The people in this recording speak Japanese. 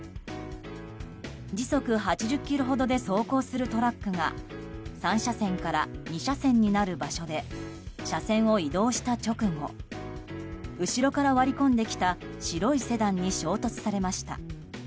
時速８０キロほどで走行するトラックが３車線から２車線になる場所で車線を移動した直後後ろから割り込んできた白いセダンに衝突されました。